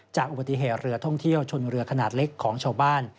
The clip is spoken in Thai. จากอุบัติเหตุเรือท่องเที่ยวชนเรือขนาดเล็กของชาวบ้าน